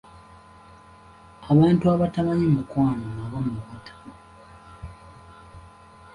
Abantu abatamanyi mukwano nabo nno batama.